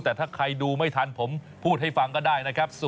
แต่ถ้าใครดูไม่ทันผมพูดให้ฟังก็ได้นะครับ